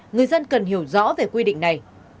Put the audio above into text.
người dân cần hiểu rõ về quy định này